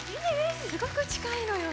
すごく近いのよ。